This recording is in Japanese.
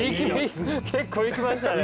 結構いきましたね。